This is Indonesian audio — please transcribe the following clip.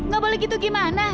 ga boleh gitu gimana